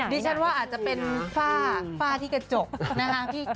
ดิฉันว่าอาจจะเป็นฝ้าที่กระจกนะคะ